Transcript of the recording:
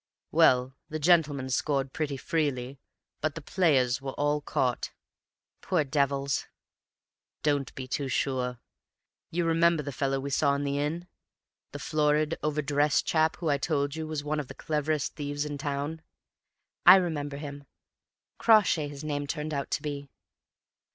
Well, the Gentlemen scored pretty freely, but the Players were all caught." "Poor devils!" "Don't be too sure. You remember the fellow we saw in the inn? The florid, over dressed chap who I told you was one of the cleverest thieves in town?" "I remember him. Crawshay his name turned out to be."